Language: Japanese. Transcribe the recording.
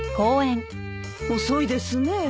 遅いですね